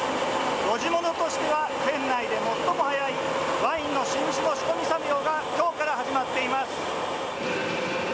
露地物としては県内で最も早いワインの新酒の仕込み作業がきょうから始まっています。